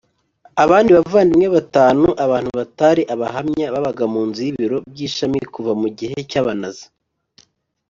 abandi bavandimwe batanu Abantu batari Abahamya babaga mu nzu y ibiro by ishami kuva mu gihe cy Abanazi